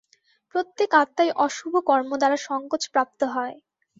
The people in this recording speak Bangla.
প্রত্যেক আত্মাই অশুভ কর্ম দ্বারা সঙ্কোচ-প্রাপ্ত হয়।